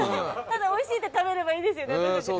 ただ「おいしい」って食べればいいですよね私たち。